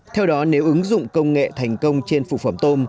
theo đó nếu ứng dụng công nghệ thành công trên phụ phẩm tôm